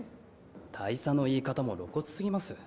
大佐の言い方も露骨すぎます。